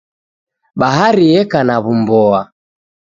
Bahari yeka na w'umboa.